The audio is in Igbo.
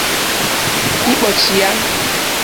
ịkpọchi ya